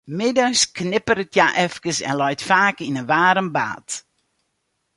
Middeis knipperet hja efkes en leit faak yn in waarm bad.